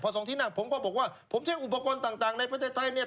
สองที่นั่งผมก็บอกว่าผมใช้อุปกรณ์ต่างในประเทศไทยเนี่ย